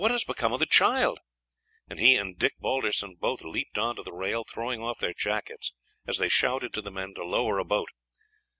Harry Parkhurst exclaimed, and he and Dick Balderson both leaped on to the rail, throwing off their jackets as they shouted to the men to lower a boat.